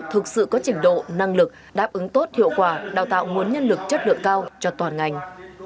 thực sự có trình độ năng lực đáp ứng tốt hiệu quả đào tạo nguồn nhân lực chất lượng cao cho toàn ngành